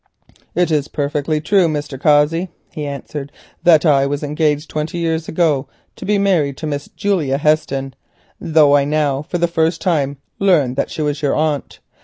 "It is perfectly true, Mr. Cossey," he answered, "that I was engaged twenty years ago to be married to Miss Julia Heston, though I now for the first time learn that she was your aunt.